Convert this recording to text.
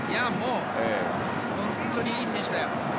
本当にいい選手だよ。